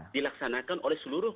dilaksanakan oleh seluruh